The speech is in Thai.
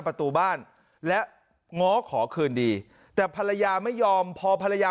ประตูบ้านและง้อขอคืนดีแต่ภรรยาไม่ยอมพอภรรยา